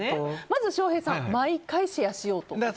まず翔平さん毎回シェアしようと。